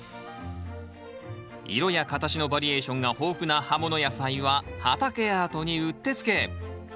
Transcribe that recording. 色や形のバリエーションが豊富な葉もの野菜は畑アートにうってつけ。